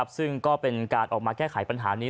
ซึ่งก็เป็นการออกมาแก้ไขปัญหานี้